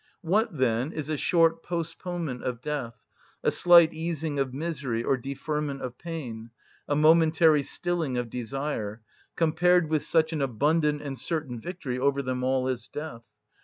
What, then, is a short postponement of death, a slight easing of misery or deferment of pain, a momentary stilling of desire, compared with such an abundant and certain victory over them all as death?